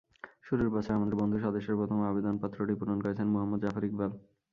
শুরুর বছর আমাদের বন্ধু সদস্যের প্রথম আবেদনপত্রটি পূরণ করেছেন মুহম্মদ জাফর ইকবাল।